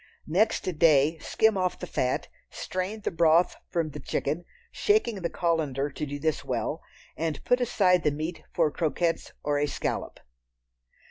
Next day skim off the fat, strain the broth from the chicken, shaking the colander to do this well, and put aside the meat for croquettes or a scallop.